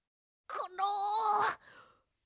コロ！